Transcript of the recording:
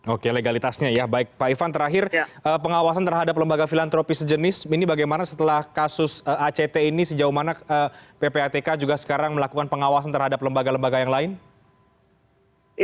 oke legalitasnya ya baik pak ivan terakhir pengawasan terhadap lembaga filantropis sejenis ini bagaimana setelah kasus act ini sejauh mana ppatk juga sekarang melakukan pengawasan terhadap lembaga lembaga yang lain